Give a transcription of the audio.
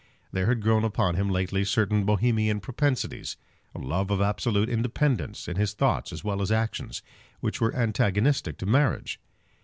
There had grown upon him lately certain Bohemian propensities, a love of absolute independence in his thoughts as well as actions, which were antagonistic to marriage.